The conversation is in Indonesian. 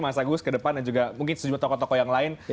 mas agus ke depan dan juga mungkin sejumlah tokoh tokoh yang lain